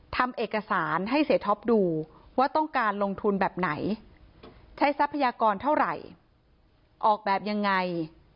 ทำเอกสารให้เสียท็อปดูว่าต้องการลงทุนแบบไหนใช้ทรัพยากรเท่าไหร่ออกแบบยังไง